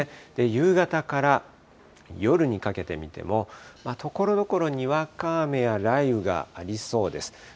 夕方から夜にかけて見ても、ところどころ、にわか雨や雷雨がありそうです。